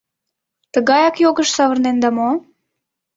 Тыгаяк йогыш савырненда мо?